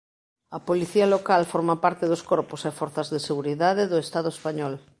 A Policía Local forma parte dos corpos e forzas de seguridade do estado español.